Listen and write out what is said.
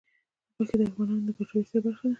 غوښې د افغانانو د ګټورتیا برخه ده.